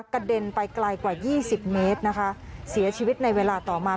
กระเด็นไปไกลกว่ายี่สิบเมตรนะคะเสียชีวิตในเวลาต่อมา